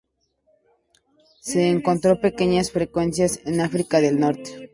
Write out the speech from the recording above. Se encontró pequeñas frecuencias en África del norte.